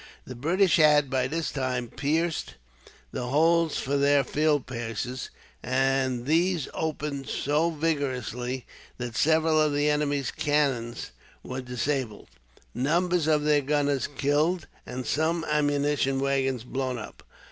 The British had, by this time, pierced the holes for their field pieces; and these opened so vigorously that several of the enemy's cannon were disabled, numbers of their gunners killed, and some ammunition waggons blown up.